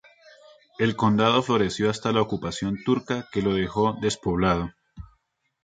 El condado floreció hasta la ocupación turca que lo dejó despoblado.